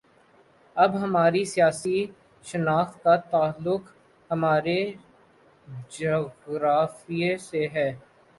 اب ہماری سیاسی شناخت کا تعلق ہمارے جغرافیے سے ہے۔